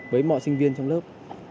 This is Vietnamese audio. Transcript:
với mọi sinh viên trong lớp